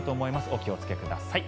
お気をつけください。